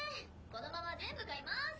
このまま全部買います！